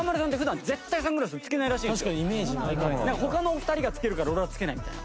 他のお二人がつけるから俺はつけないみたいな。